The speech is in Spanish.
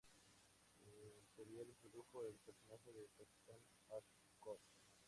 El serial introdujo el personaje del Capitán Haddock.